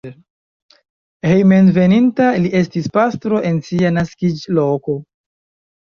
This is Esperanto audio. Hejmenveninta li estis pastro en sia naskiĝloko.